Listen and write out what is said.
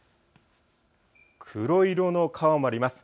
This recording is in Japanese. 黒色の川もあります。